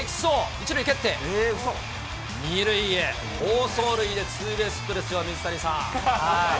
１塁蹴って、２塁へ好走塁でツーベースヒットですよ、水谷さん。